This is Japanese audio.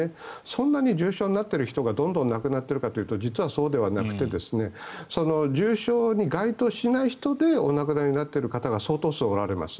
そんなに重症になっている人がどんどん亡くなっているかというと実はそうではなくて重症に該当しない人でお亡くなりになっている方が相当数おられます。